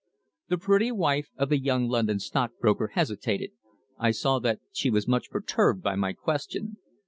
The pretty wife of the young London stockbroker hesitated. I saw that she was much perturbed by my question.